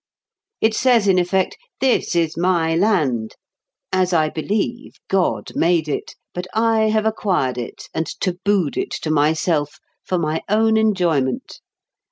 It says in effect, "This is my land. As I believe, God made it; but I have acquired it, and tabooed it to myself, for my own enjoyment.